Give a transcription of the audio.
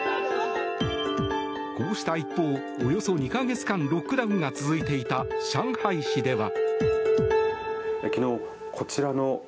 こうした一方、およそ２か月間ロックダウンが続いていた上海市では。